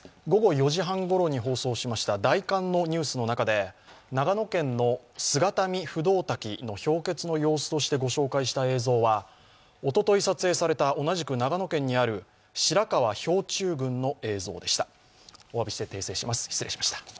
午後４時半ごろに放送しました大寒のニュースの中で長野県の姿見不動滝の氷結の様子としてご紹介した映像は、おととい撮影された同じく長野県にある白川氷柱群の映像でした。